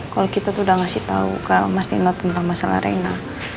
kalau kita tuh udah ngasih tau ke mas nino tentang masalah reina